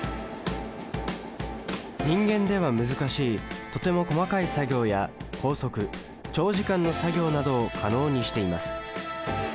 人間では難しいとても細かい作業や高速長時間の作業などを可能にしています。